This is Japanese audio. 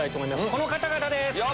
この方々です！